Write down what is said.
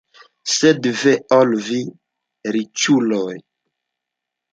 Sed ve al vi riĉuloj!